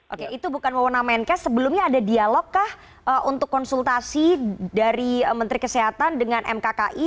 oke itu bukan mewenang menkes sebelumnya ada dialog kah untuk konsultasi dari menteri kesehatan dengan mkki